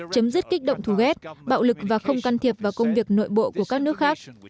chấm dứt kích động thù ghét bạo lực và không can thiệp vào công việc nội bộ của các nước khác